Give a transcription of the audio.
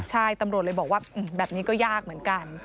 ใช่ตำรวจเลยบอกว่าแบบนี้ก็ยากเหมือนกัน